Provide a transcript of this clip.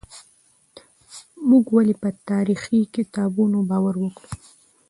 موږ ولې په تاريخي کتابونو باور وکړو؟